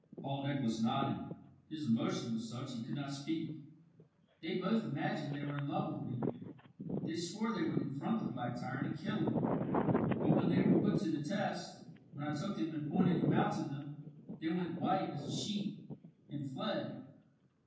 Paul Nicholas nodded. His emotion was such he could not speak. "They both imagined they were in love with me. They swore they would confront the black tyrant and kill him; but when they were put to the test when I took them and pointed him out to them they went white as a sheet, and fled."